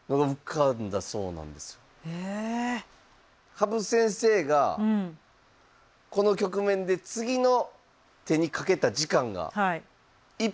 羽生先生がこの局面で次の手にかけた時間が１分３０秒。